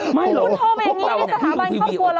หมายคุณโทฟแบบนี้สถาบันครอบครัวลำบากค่ะคุณโทษพี่วิลโอเค